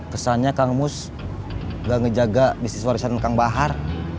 kesannya kang mus nggak ngejaga bisnis warisan kang bahar